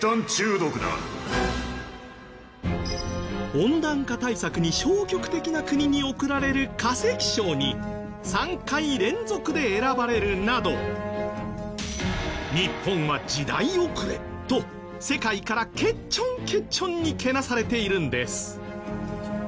温暖化対策に消極的な国に贈られる化石賞に３回連続で選ばれるなど「日本は時代遅れ！！」と世界からけちょんけちょんにけなされているんです。